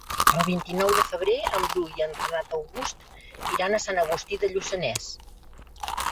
El vint-i-nou de febrer en Bru i en Renat August iran a Sant Agustí de Lluçanès.